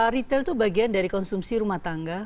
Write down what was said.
retail itu bagian dari konsumsi rumah tangga